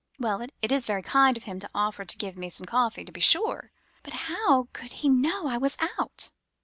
"'Well, it is very kind of him to offer to give me some coffee, to be sure! But how could he know I was out?